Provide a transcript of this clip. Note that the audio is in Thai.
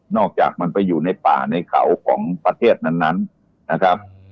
อกจากมันไปอยู่ในป่าในเขาของประเทศนั้นนะครับ